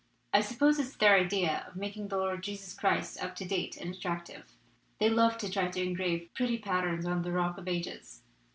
I suppose it's their idea of making the Lord Jesus Christ up to date and attractive. They love to try to engrave pretty patterns on the Rock of Ages.